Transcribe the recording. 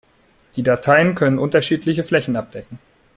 Die Dateien können unterschiedliche Flächen abdecken.